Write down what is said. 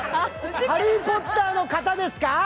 ハリー・ポッターの方ですか？